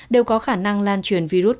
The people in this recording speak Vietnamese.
đều có khả năng lan truyền virus